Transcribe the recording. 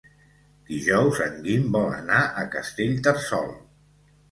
Dijous en Guim vol anar a Castellterçol.